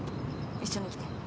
一緒に来て。